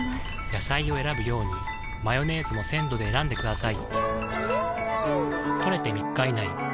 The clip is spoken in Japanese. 野菜を選ぶようにマヨネーズも鮮度で選んでくださいん！